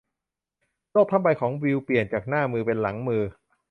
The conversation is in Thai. โลกทั้งใบของวิลเปลี่ยนจากหน้ามือเป็นหลังมือ